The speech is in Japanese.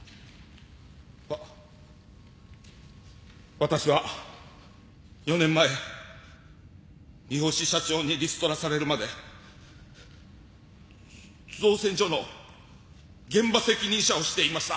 わ私は４年前三星社長にリストラされるまでぞ造船所の現場責任者をしていました。